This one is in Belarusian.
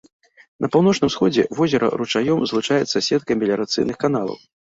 На паўночным усходзе возера ручаём злучаецца з сеткай меліярацыйных каналаў.